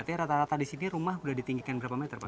artinya rata rata di sini rumah sudah ditinggikan berapa meter pak